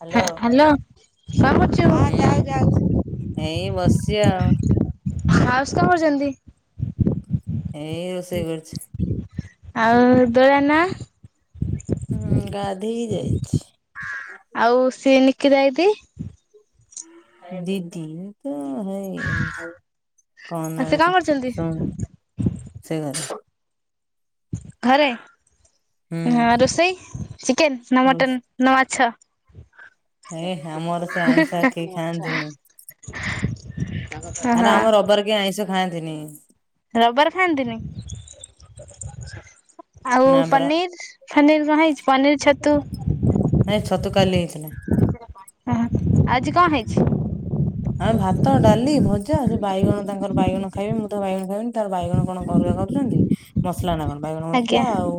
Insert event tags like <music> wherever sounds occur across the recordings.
Hello, କଣ କରୁଛୁ? ହୁଁ ଏଇ ବସିଛି ଆଉ। ହାସ୍ <unintelligible> ଏଇ ରୋଷେଇ କରୁଛି। ଆଉ <unintelligible> ନା ହୁଁ ଗାଧେଇ ଯାଇଛି। ଆଉ ସିଏ ନିକିତା ଦିଦି ଦିଦି ତ ହେଇ କଣ ଆଉ ସେ ନାଉଛି କରୁଛନ୍ତି? ଶୁଣୁ ସେ ଘରେ ଘରେ ହାଁ ହୁଁ। ରୋଷେଇ ଚିକେନ ନା ମଟନ? ନା ମାଛ? ଏ ଆମର ସେ ଆଇଁଷ କେହି ଖାଆନ୍ତିନି। <unintelligible> ନା ଓହୋ ନା ଆମର ରବିବାର କିଏ ଆଇଁଷ ଖାଆନ୍ତିନି। ରବିବାର ଖାଆନ୍ତିନି ଆଉ ନା ପରା ପନିର ଫନୀରି କଣ ହେଇଚି ପନୀରି ଛତୁ। ନାଇଁ ଛତୁ କାଲି ହେଇଥିଲା। ହୁଁ ଆଜି କଣ ହେଇଛି? ଆଁ ଭାତ, ଡାଲି, ଭଜା, ସେ ବାଇଗଣ ତାଙ୍କର ବାଇଗଣ ଖାଇବେ ମୁଁ ତ ବାଇଗଣ ଖାଇବିନି ତାର ବାଇଗଣ କଣ <unintelligible> ଅଛନ୍ତି? ମସଲା ନା କଣ ବାଇଗଣ ମସଲା ଆଜ୍ଞା ଆଉ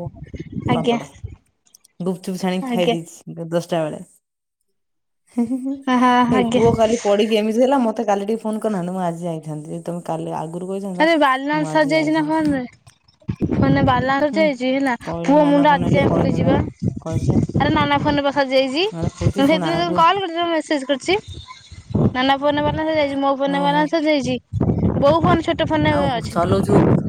ଆଜ୍ଞା ପାମ୍ପଡ଼, ଗୁପଚୁପ୍ ଛାଣିକି ଖାଇ ଆଜ୍ଞା ଦେଇେଇଛି। ଦଶଟା ବେଳେ, ହେ ହେ ହେ। ହଁ ଏଇ ଆଜ୍ଞା ପୁଅ କାଲି ପଡିକି ଏମିତି ହେଲା ମତେ କାଲି ଟିକେ ଫୋନ କରିନାହାନ୍ତି, ମୁଁ ଆଜି ଯାଇଥାନ୍ତି। ତମେ କାଲି ଆଗରୁ କହିଥାନ୍ତ, ଆରେ ମୁଁ ଆଜି ଯାଇଥାନ୍ତି। ମାନେ ବାଲାର ହୁଁ ସରିଯାଇଛି ହେଲା। କହିଲେ ପୁଅ ନନା ମୁଣ୍ଡ ଫୋନ ଆଜି ହେଲେ ଯେ ଫୁଲିଛି କହିଥାନ୍ତା ବା କହିଥିଲେ ଆରେ ନନା ଫୋନ ରେ ବା ସରିଯାଇଛି। ଆରେ ଫୁଲତି ସେଥୀ ଶୁଣ ପାଇଁ ମୁ ଆଗୁ କଲ୍ କରୁଛି ତୁମେ ମେସେଜ କର ଛି, ନାନା ଫୋନ ରେ ବାଲାନ୍ସ ସରିଯାଇଛି, ମୋ ଫୋନ ରେ ଓହୋ ବାଲାନ୍ସ ଯାଇଛି, ବୋଉ ଫୋନ ଛୋ <unintelligible> ଫୋନ ଆଉ ଚଲଉଛୁ ଅଛି।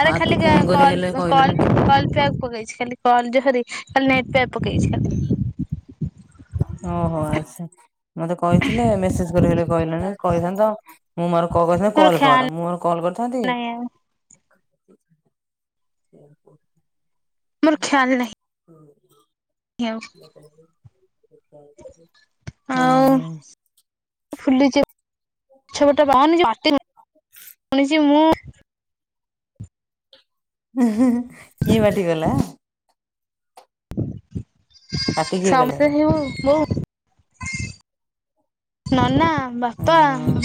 ଆରେ ଆଉ ତୁ ଖାଲିଗା ଫୋନ କରି କଲ୍ ହେଲେ କଲ୍ କହିଲୁନି କଲ୍ ପ୍ୟାକ ପକେଇଛି, ଖାଲି। କଲ୍ ଜିବହାରି ଖାଲି ନେଟ ପ୍ୟାକ ପକେଇଛି ଖାଲି। ଓହୋ ଆଛା, ମତେ କହିଥିଲେ ମେସେଜ କରି ହେଲେ କହିଲନି କହିଥାନ୍ତ। ମୁଁ ମୋର <unintelligible> ମୋର କଲ୍ ଖ୍ୟାଲ କର, ମୁଁ ମୋର କଲ କରିଥାନ୍ତି। ନାହିଁ ଆଉ ମୋର ଖ୍ୟାଲ ନାହିଁ। <unintelligible> <unintelligible> ହଁ ଆଉ ହଁ। ଫୁଲିଛି <unintelligible> ଶୁଣିଚି ମୁଁ। ହୁଁ ହୁଁ ହୁଁ, କିଏ ପାଟି କଲା? ପାଟି କିଏ କଲାରେ <unintelligible> ବୋଉ ନନା ବାପା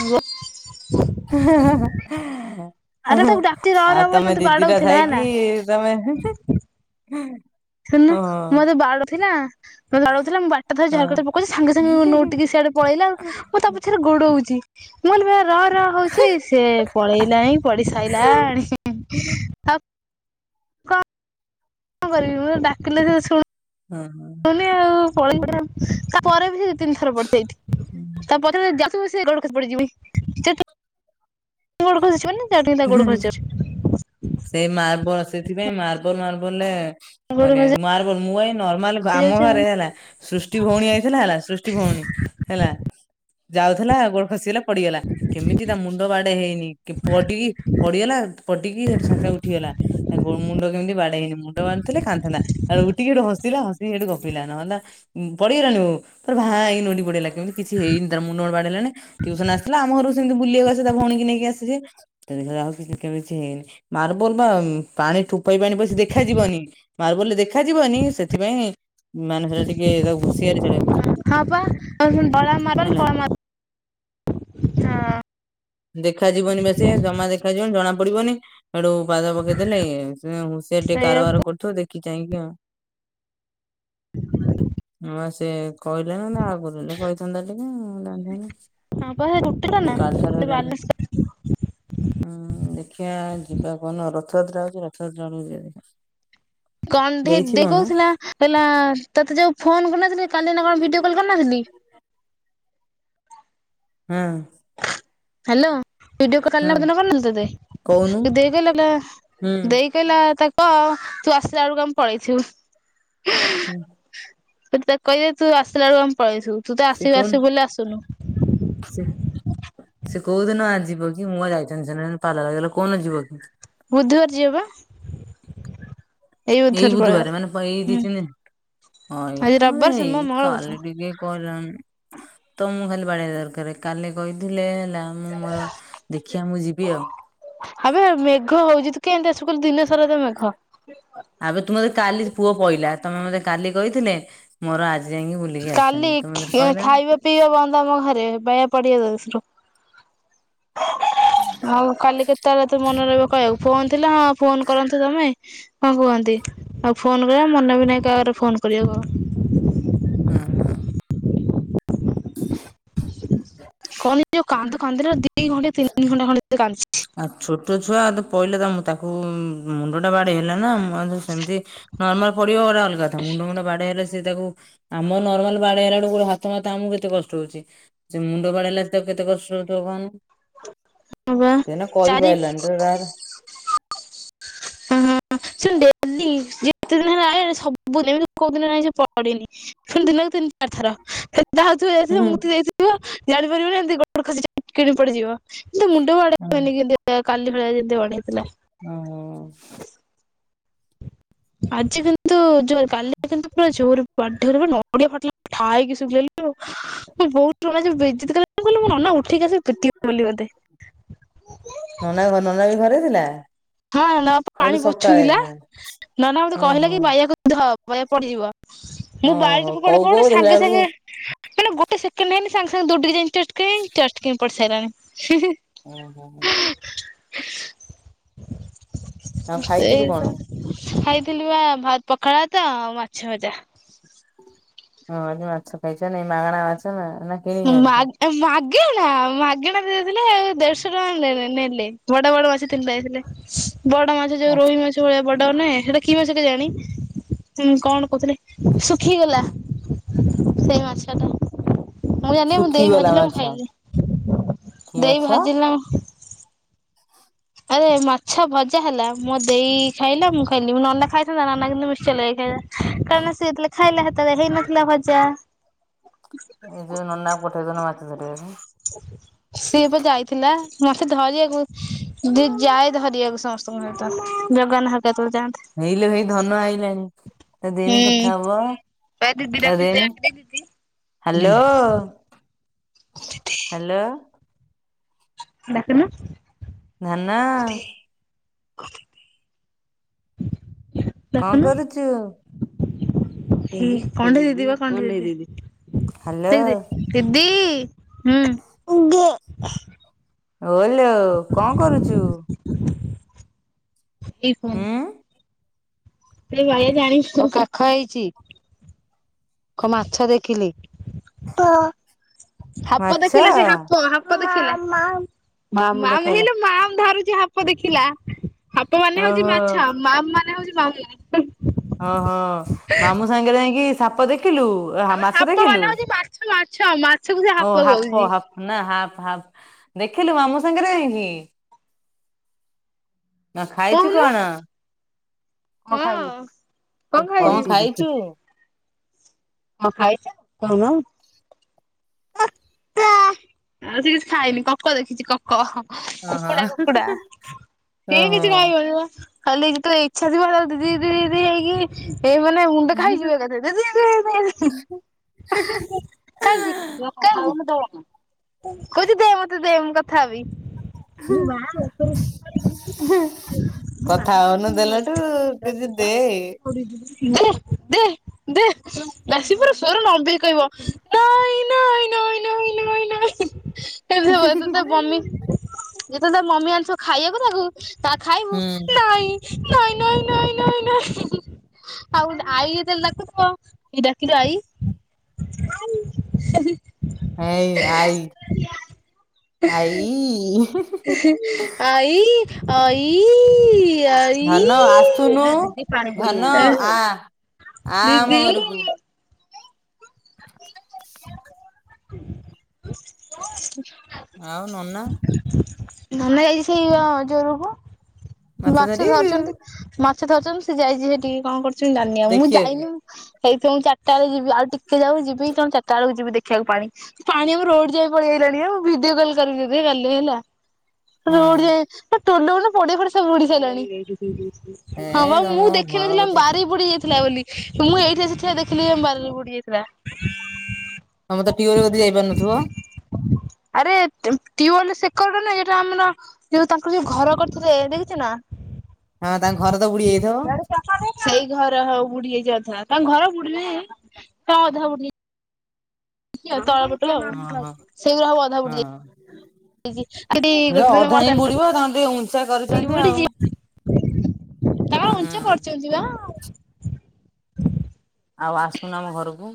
ବୋ <inaudible> ଆରେ ଆହା ତାକୁ ଡାକୁଚି ରହ ଆଉ ରହ ବୋଲି ତମେ ମତେ ଦିଦି ଟା ବାଡଉଥିଲା ଥାଇକି ହେଲା ତୁମେ ହେମିତି। ଶୁଣୁନ ମତେ ବାଡ଼ଥିଲା। ବାଡଉଥିଲା ମୁଁ ବାଟେ ଧରିଛି ଝରକା ହଁ। ପକଉଛି ସାଙ୍ଗେ ସାଙ୍ଗେ ନଉଟିକି ସିଆଡେ ପଳେଇଲା ଆଉ ମୁଁ ତା ପଛରେ ରେ ଗୋଡ ଉଛି। ମୁଁ କହିଁଲି ଭାଇ ର ର ହଉଛି ସିଏ ପଳେଇଲାଣିି ପଡି ସାଇ ଲାଣି। କଣ କରିବି ମୁଁ ଡାକିଲେ ସେ ଶୁଣ ହଁ ହଁ। ଆଉ ପଳେଇ ତାପରେ ବି ସେ ତିନି ଥର ପଡିଯାଇଛି ତାପ ଯାଉଥିବ ସେ ଗୋଡ ଖସି ପଡିଯିବି <unintelligible> ସେ ଗୋଡ଼ ଖସି ଯିବନି। ଲାଟିନୀ ଟା ଗୋଡ଼ ହୁଁ। ଖସି ଯାଉଛି। ସେଇ ମାର୍ବଲ ସେଥିପାଇଁ ମାର୍ବଲ ମାର୍ବଲରେ ଗୋଡ ମାନେ ଖସି ମାର୍ବଲ ମୁଁ ଏଇ ନର୍ମାଲ ଆମ ଯାଉଛି ଆଉ ଘରେ ହେଲା ସୃଷ୍ଟି ଭଉଣୀ ଆଇଥିଲା ହେଲା ସୃଷ୍ଟି ଭଉଣୀ। ହେଲା ଯାଉଥିଲା ଗୋଡ ଖସିଗଲା। ପଡିଗଲା କେମିତି ତା ମୁଣ୍ଡ ବାଡେ ହେଇନି ପଡିକି ପଡିଗଲା ପଡି କି ହେଠି ସେ ସାଙ୍ଗ ସାଙ୍ଗେ ଉଠିଗଲା ତା ମୁଣ୍ଡ କେମିତି ବାଡେଇନି ମୁଣ୍ଡ ବାଡୁଥିଲେ କାନ୍ଧିଥାନ୍ତ ଆଉ ଉିଠିକି ହେଠି ହସୁ ହସିଲା ହସିକି ହେଠୁ ଗପିଲା ନହଲ ପଡିଗଲାଣି ଆଉ ଭାଇ ନଉଟି ପଡ଼ିଗଲା କେମିତି କିଛି ହେଇନି ତା ର ମୁଣ୍ଡ ବାଢି ହେଲାନି ଟିୟୁସନ ଆସିଥିଲା ଆମ ଘରକୁ ଯେମିତି ବୁଲିବାକୁ ଆସ ତା ଭଉଣୀ କି ନେଇକି ଆସିଯେ ତାକୁ ଦେଖୀଲା ଆଉ କେମିତି କିଛି ହେଇନି ମାର୍ବଲ ବା ପାଣି ଟୋପାଏ ପାଣି ପସି ସେ ଦେଖାଯିବନି। ମାର୍ବଲରେ ଦେଖାଯିବନି ସେଥିପାଇଁ ମାନେ ସେଟା ଟିକେ ତାକୁ ହୁସିଆରି ଚଳେଇବାକୁ ପଡିବ ହଁ ପା ବଳା ମାର୍ବଲ ହେଲା। କଳା ମା ହଁ। ଦେଖାଯିବନି ବା ସେ ଜମା ଦେଖାଯିବନି ଜଣା ପଡିବନି। ସେଡୁ ପାଦ ପକେଇଦେଲେ ହୁ ସେ ଟିକେ ସେଇଆକୁ କାରବାର କରୁଥିବ ଦେଖି ଚାହିଁକି ଆଉ। ହ ସେ କହିଲେ ନା ନା ଆଗରୁ କହି ହଁ ପା ସେ ଗୋଟିଟା <unintelligible> ନା କାଲଠାରୁ ସେ ହେଇଲାଣି। ବାଲେନ୍ସ ହୁଁ ଦେଖିବା ଯିବା କଣ ରଥଯାତ୍ରା ହଉଛି ରଥଯାତ୍ରା ବେଳକୁ ଯିବା ଦେଖିବା। କଣ୍ଡେ ଇ ଦେଇ କହୁଥିଲା କହିଲା ତୋତେ ଯୋଉ ଫୋନ କରୁନଥିଲି କାଲି ନା କଣ ଭିଡିଓ କଲ୍ କରିନଥିଲି ହଁ। ହ୍ୟାଲୋ। ଭିଡିଓ କଲ କାଲି ହଁ ନା ପରଦିନ କରିନଥିଲେ କହୁନୁ ତୋତେ ଦେଇକହିଲା ଲା ହୁଁ ଦେଇ କହିଲା ତା କହ ତୁ ଆସିଲା ବେଳକୁ ଆମେ ପଳେଇଥିବୁ। ହୁଁ ତାକୁ କହିଦେ ତୁ ଆସିଲ ବେଳକୁ ଆମେ ପଳେଇ ଥିବୁ ତୁ ତ ସେ ଆସିବୁ କହୁନୁ ଆସିବୁ ବୋଲି ଆସୁନୁ। ସେ <unintelligible> ସେ କୋଉ ଦିନ ଆ ଯିବ କି ମୁଁ ଯାଇଥାନ୍ତି ସେ ପାଲର କୋଉଦିନ ଯିବ କି? ବୁଧୁବାର ଯିବା ବା। ଏଇ ବୁଧବାର ପଳେଇବା। ବୁଧବରେ ମାନେ ଏଇ ଦି ନିିନ ହଁ ଏଇ ଆଜି ତ ରବିବାର ଏଇ ସୋମବାର ମଙ୍ଗଳ ବୁଧ କାଲି ଟିକେ କ ତମକୁ ଖାଲି ବାଡ଼ିଆ ଦରକାର କାଲି କହିଥିଲେ ହେଲା ମୁଁ ମୋର ଦେଖିବା ମୁଁ ଯିବି ଆଉ। ଆବେ ମେଘ ହଉଛି ତୁ କେମିତି ଆସୁ କହିଲୁ ଦିନ ସାରା ତ ମେଘ। <unintelligible> ଆବେ ତୁ ମତେ କାଲି ପୁଅ ପଇଲା ତମେ ମତେ କାଲି କହିଥିଲେ ମୋର ଆଜି, ଆଜି ଯାଇକି ବୁଲିକି କାଲି ଆସିଥାନ୍ତି ତମେ ଖି ମୋତେ କହିଲାନି? ଖାଇବା ପିଇବା ବନ୍ଦ ଆମ ଘରେ <unintelligible> ହଉ କାଲି କେତେବେଳେ ତ ମନେ ରହିବ କହିବାକୁ ଫୋନ ଥିଲା ହଁ ଫୋନ କରନ୍ତୁ ତମେ ହଁ କୁହନ୍ତି ଆଉ ଫୋନ କରିବା ମନେ ବି ନାହିଁ କାହାଘରେ ଫୋନ କରିବା କଣ। ହଁ ହଁ <inaudible> ହ <inaudible> କଣ ଯୋଉ କାନ୍ଦୁ କାନ୍ଦିଲ ଦି ଘଣ୍ଟା ତିନି ଘଣ୍ଟା ଖଣ୍ଡେ କାନ୍ଦିଛି। ଆଉ ଛୋଟ ଛୁଆ ତ ପହିଲେ ତ ମୁଁ ତାକୁ ମୁଣ୍ଡ ଟା ବାଡେଇ ହେଲା ନା ସେମିତି ନର୍ମାଲ ପଡିବ ଗଟେ ଅଲଗା ମୁଣ୍ଡ ମୁଣ୍ଡ ବାଡେଇ ହେଲେ ସେ ତାକୁ ଆମ ନର୍ମାଲ ବାଡ ହେଲା ବେଳକୁ ହାତ ଫାତ ଆମକୁ କେତେ କଷ୍ଟ ହଉଛି। ସେ ମୁଣ୍ଡ ଗ ଳେଇଲା ତ କେତେ କଷ୍ଟ ହଉଥିବ କହନି। ହଁ ବା ସେଟା ଚାରି କହିପାରିଲଣି। ଅ ହ ଶୁ ଡେଲି ଯେତେ ଦିନ ହେଲା ସବୁିନ ଏମିତି କୋଉ ଦିନ ନାହିଁ ସେ ପଡିନି। ପୁଣି ଦିନକୁ ତିନି ଚାରି ଥର। ଯାହା ଯାଇଥିବ ହୁଁ ମୁତି ଦେଇଥିବ ଜାଣିପାରିବନି ଏମିତି ଗୋଡ ଖସି ଯିବ ପଡିଯିବ। ଏ ମୁଣ୍ଡ ବଡେଇନି କେମତି କାଲି ଭଳିଆ ଯେମିତି ବଡେଇଥିଲା। ଓୋ <inaudible> ହ <inaudible> ଆଜି କିନ୍ତୁ ଜୋର କାଲି କିନ୍ତୁ ପୁରା ଜୋର ନଡ଼ିଆ ଫାଟିଲା ା ହେକି ଶୁଖେଇ ଆଉ <unintelligible> ମୁଁ ବହୁତ କଁ ନନା ଉଠେଇକି ଆ ପିବ ବୋଲି ବୋଧେ <unintelligible> ନନା ନନା ବି ଘରେ ଥିଲା। ହଁ ନ ପାଣି କହିଲୁ ସକାଳେ ପୋଛୁଥିଲା ହଁ ନ ନା ମତେ କହିଲା ଓହୋ କି ବାଇକୁ ଧ ବ ପଡିଯିବ ମୁଁ ଓହୋ ବାାରରେ କହୁ ପଡଟେ କହୁ ଦେଖିଲା ସାଙ୍ଗେ ବେଳକୁ ସାଙ୍ଗେ ମାନେ ଗୋଟେ ସେକେଣ୍ଡ ହେଇନି ସାଙ୍ଗେ ସାଙ୍ଗେ ଦୁ ଚ ପାରିଲାଣି <unintelligible> ଓ ହୋ ହୋ <inaudible> ଆଉ ସେଇ ଖାଇଥିଲୁ କଣ? ତ ଖାଇଥିଲୁ ବା ପଖାଳ ତ ମାଛ ଭଜା। ହଁଜି ମାଛ ଖାଇଛ ନାଇ ମାଗଣା ମାଛ ନା ନା କିଣିକି ଆଣିଛ? ମାଗଣା ମାଗଣା ଦେଇଥିଲେ ଆଉ ଦେଢଶହ ଟଙ୍କା ନ ନେଲେ। ବଡ ବଡ ମାଛ ତିନିତି ଯଇଥିଲେ ବଡ ମାଛ ଯୋଉ ରୋହି ମାଛ। ସେ ଭଳିଆ ବଡ ହ ନାଁ ସେଟା କି ମାଛ କେ ଜାଣି। ହଁ କଣ କହୁଥିଲେ ଶୁଖିଗଲା ସେଇ ମାଛ ଟା। ମୁଁ ଜାଣି ମୁଁ ଦେଇ ଶୁଖିଗଲା ଭାଜିଲା ମୁଁ ମାଛ ଖାଇଲି କି ଦେଇ ମାଛ? ଭାଜିଲା ମୁ ଆରେ ମାଛ ଭଜା ହେଲା ମୋ ଦେଇ ଖାଇଲା ମୁଁ ଖାଇଲି ନନା ଖାଇଥାନ୍ତା ନନା କିନ୍ତୁ ମେଡିକାଲ ଯାଇଥିଲା। କାରଣ ସଥିଲେ ଖାଇଲେ ସୋତରେ ହେଇନଥିଲା ଭଜା <unintelligible> ଏଇ ନନା ଙ୍କୁ ପଡେଇଦେଉନ ମାଛ ଧରିବାକୁ। ସିଏ ଏବେ ଯାଇଥିଲା ମାଛ ଧରିବାକୁ। ଦି ଯାଏ ଧରିବାକୁ ସମସ୍ତଙ୍କ ସହିତ ଜଗନ୍ନା ହର କେତେବେଳେ ଯାଆନ୍ତେ। ହେଇଲେ ଭାଇ ଧନ ଆଇଲାଣି। ଏଦନି ବା କଥାବା ଦିଦି ଡାକୁଚି ଏଦନି ଡାକିଦେ ଦିଦି। <unintelligible> Hello hello. ଡାଖ ନା। ଧନ। ଅ <inaudible> କଣ କରୁଛୁ? ହଇ କଣ୍ଡେଇଦଦିିବା କଣ୍ଡଲଦଦି ହାଲୋ ତେଗଦି <unintelligible> ଦିଦି ହୁଁ। ହଲୋ କଣ କରୁଛୁ? ହୁଁ <unintelligible> କାଖ ହେଇଛି। କ ମାଛ ଦେଖିଲି। ମାଛ ମା ନାହିଁ ଲ ମା ଧରୁଚି ହାତ ଦେଖିଲା। ହାପ ମାନେ ହଉଛି ଓହୋ ମାଛା ମାମ ମାନେ ହଉଛି ମାମୁ। ଓହୋ ମାମୁଁ ସାଙ୍ଗରେ ଯାଇଁକି ସାପ ଦେଖିଲୁ। ଓ ଆମେ ମାଛ ହାପ ଦେଖିଲୁ ମାନେ ହଉଛି ମାଛ ମାଛ ମାଛକୁ ସେ ଓ ହାପ କହୁଛି ହପ ନା ହାପ ହାଫ ଦେଖିଲୁ ମାମୁଁ ସାଙ୍ଗରେ ଯାଇଁକି। ନା ଖାଇଛୁ କଣ? ହଁ। କଣ ଖାଇଛୁ? ହଁ ଖାଇଚ କହୁନ। ଆଉ ସେ କିଛି ଖାଇନି କକ ଦେଖିଛି କ କକ କୁକୁଡ଼ା ଓହୋ କୁକୁଡ଼ା କେ ଓହୋ। କିଛି କହିବନି ମ। ଖାଲି ଯେତେବେଳେ ଇଚ୍ଛା ଥିବ ସେତେବେଳେ ଦିଦି ଦି ଦି ହେଇକି ଏଇ ମାନେ ମୁଣ୍ଡେ ଖାଇଯିବ ଏକାଥରେ। ଦିଦି ହେ ହେ। କାହିଁକି କହୁଛି ଦେ ମତେ ଦେ ମୁଁ କଥା ହେବି। ବା କଥା ହଉନୁ ଦେଲେ ହେଠୁ ଦିଦି ଦେ। ଦେ ଦେ ଦେ। <unintelligible> ସ୍ୱର ଲମ୍ବେଇ କି କହିବ ନାଇ ଲୋ ଇ ଲୋ ଇ ଲୋ ଇ ଲୋ କେମିତି ହବ ଏତେ ତା ମମି ଯେତେବେଳେ ତା ମମି ଆଣି ଥିବ ଖାଇବାକୁ ତାକୁ। ତା ଖାଇବୁ ହୁଁ ନାଇଁ। ନାଇଁ ନାଇଁ ନାଇଁ ନାଇଁ ଆଉ <unintelligible> ଦେଲାକୁ ଏ ଡାକିଲୁ ଆଈ। ହେଁ ଆଇ ଆଇ। ଆଈ ଆଈ। ଆଇ। ଧନ ଆସୁନୁ ଧନ ଆ। ଆ ଆମ ଘରକୁ। ଆଉ ନନା। ଧନ ଯାଇଛି ସେଇ ଜୋରକୁ। ମାଛ ଧରିଛନ୍ତି ମାଛ ଧରିଛନ୍ତି ସେ ଯାଇଛି ସେ ଟିକେ କଣ କରୁଛନ୍ତି ଜାନି ଆଉ ମୁଁ ଦେଖିବାକୁ। ଯାଇଲିି ହେଇଥିବ ମୁଁ ଚିରିଟା ବେଳେ ଯିବି ଆଉ ଟିକେ ଯାଉ ଯିବି ତଣୁ ଚାରିଟା ବୁଳୁକୁ ଯିବି ଦେଖିବାକୁ ପାଣି। ପାଣି ଆମ ରୋଡ ଯାଏ ପଳେଇ ଆଇଲାଣି ଆଉ ଭିଡିଓ କଲ୍ କରିବି ତତେ କାଲି ହେଲା। ରୋଡ ହୁଁ ଯାଏ ତୋଲ ଫୋଲ ପଡିଆ ଫଡିଆ ସବୁ ବୁଡିି ସାରିଲାଣି। ଏ ହଁ ବା ତମ ମୁଁ ଘର ଦେଖିନଥିଲି ଆମ କତି ବାରି ବୁଡି ଯାଇଥିଲା ବୋଲି ମୁଁ ଏଇଠି ଆସି ଠିଆ ହେଇ ଦେଖିଲି ଆମ ବାରି ବୁଡି ଯାଇଥିଲା। ତମେ ତ <unintelligible> ଯଦି ଯାଇପାରୁନଥିବ। ଆରେ ଟିୱେଲ ସେକରଡ ନା ଏଟା ଆମର ଯୋଉ ତାଙ୍କର ଯୋଉ ଘର କରିଥିଲେ ଏଆଡେ ଛ ନା। ହଁ ତାଙ୍କ ଘର ତ ବୁଡି ଯାଇଥିବ। ସେଇ ଘର ହଉ ବୁଡି ଯାଇ <unintelligible> ତାଙ୍କ ଘର ବୁଡିଲି ତା ଅଧା ବୁ ଆଉ ତଳ ପୋଟଳ ଆଉ ହଁ ହଁ ସେଇଗୁରା ଆଉ ଅଧା ବୁଡିଯା ହଁ। <inaudible> ତାଙ୍କର ଅଧା ହିଁ ଉଚ୍ଚା ବୁଡିବ ତାଙ୍କୁ ଟିକେ ଉଞ୍ଚା କରିଛନ୍ତି ଆଉ ହୁଁ। ହୁଁ। କରିଚନ୍ତି ବା। ଆଉ ଆସୁନ ଆମ ଘରକୁ।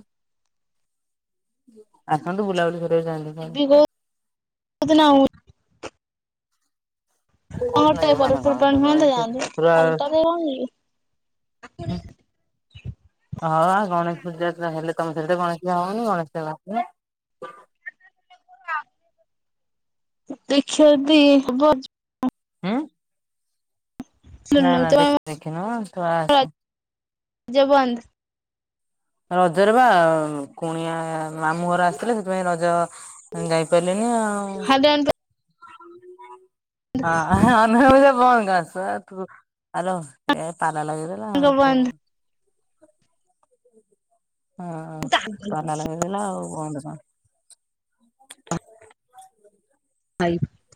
ଆସନ୍ତୁ ବୁଲାବୁଲି କରିବାକୁ ଯଆନ୍ତି। ଯିବି କୋଉ <unintelligible> ଗୋଟେ <inaudible> ଜମାନ ପର୍ବପର୍ବାଣି ହୁଅନ୍ତା କ ଯାଆନ୍ତେ ପୁରା ଖାଲିଟାରେ କଣ କି ହୁଁ ହଁ ଗଣେଶ ପୂଜା ହେଲେ ତମେ ସେଥିଟେ ଗଣେଶ ହବନି ଗଣେଶ ଆସୁନ। ଦେଖିବା ଯଦି ହବ ହୁଁ ନା ନା ଦେଖି ଦେଖିନୁ ତୁ ଆସ। ଯେବନ୍ଦ ରଜରେ ବା କୁଣିଆ ମାମୁଁ ଘର ଆସିଥିଲେ ସେଥିପାଇଁ ରଜ ଯାଇ ପାରିଲଣିି ଆଉ। <inaudible> ହ <unintelligible> ବ୍ୟାଙ୍କ ବନ୍ଦ। ହ ହଁ ପ ନଳବେଲା ବନ୍ଦ <inaudible>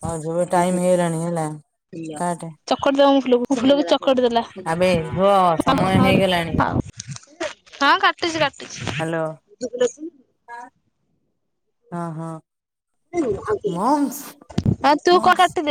ହଉ ଯବେ ଟାଇମ ହେଇଲାଣି ହେଲା। କାଟେ। ଚକଟ ଦେବା ଫୁଲ ଫୁଲକୁ ଚକଟି ଦେଲା। ଆବେ ଝୁଅ ସମୟ ହଁ ହେଇଗଲାଣି। କାଟିଛି କାଟିଛି। ଆଉ ହଁ ମମସ୍ ଆଉ ତୁ କଣ ମମସ୍ କାଟିଦେ।